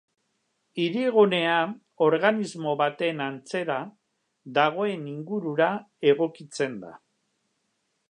Hirigunea, organismo baten antzera, dagoen ingurura egokitzen da.